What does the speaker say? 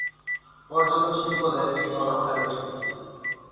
পর্যটন শিল্প দেশটির প্রধান চালিকা শক্তি।